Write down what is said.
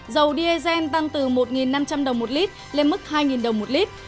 dầu diesel tăng từ một năm trăm linh đồng một lít lên mức hai đồng một lít